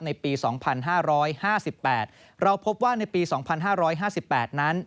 ในปี๒๕๕๘เราพบว่าในปี๒๕๕๘นั้น